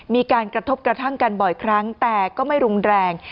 มีการกระทบกระทั่งกันบ่อยครั้งแต่ก็ไม่รุนแรง